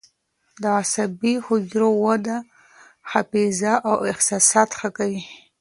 د عصبي حجرو وده حافظه او احساسات ښه کوي.